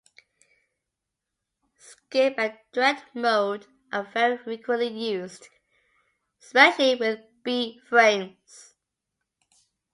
Skip and Direct Mode are very frequently used, especially with B-frames.